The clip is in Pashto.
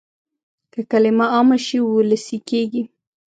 که کلمه عامه شي وولسي کېږي.